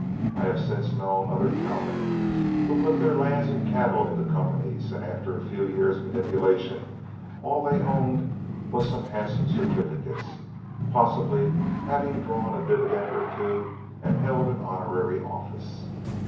I have since known other cowmen who put their lands and cattle into companies, and after a few years' manipulation all they owned was some handsome certificates, possibly having drawn a dividend or two and held an honorary office.